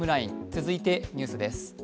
続いて、ニュースです。